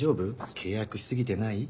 契約し過ぎてない？